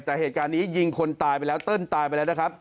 แต่เหตุการณ์นี้ยิงคนตายไปแล้วเติ้ลตายไปแล้วนะครับ